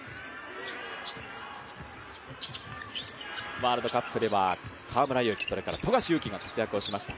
ワールドカップでは河村勇輝、富樫勇樹が活躍しました。